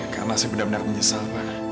karena saya benar benar menyesal pak